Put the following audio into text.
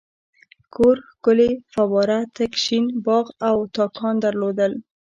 کور ښکلې فواره تک شین باغ او تاکان درلودل.